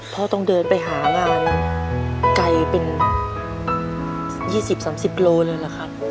พ่อต้องเดินไปหางานไกลเป็น๒๐๓๐กิโลเมตรเลยหรือคะ